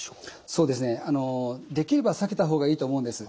そうですねあのできれば避けた方がいいと思うんです。